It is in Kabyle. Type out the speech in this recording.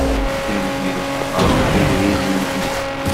Dan yeḍfer idrizen-nni.